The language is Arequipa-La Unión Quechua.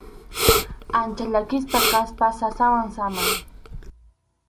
Ancha llakisqa kaspa sasawan samay.